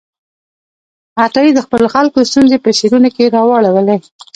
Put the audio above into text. عطايي د خپلو خلکو ستونزې په شعرونو کې راواړولې.